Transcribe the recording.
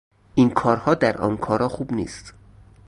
این کارها در آنکارا خوب نیست